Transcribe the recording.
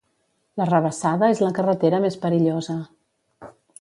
L'Arrabassada és la carretera més perillosa.